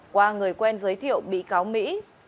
qua người quen giới thiệu bị cáo mỹ